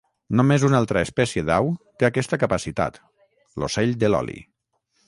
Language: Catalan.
Només una altra espècie d'au té aquesta capacitat: l'ocell de l'oli.